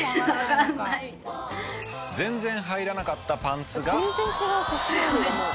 全然入らなかったパンツが。